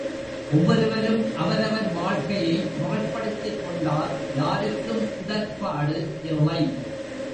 ஒவ்வொருவரும் அவரவர் வாழ்க்கையை முறைப்படுத்திக் கொண்டால் யாருக்கும் இடர்ப்பாடு இல்லை.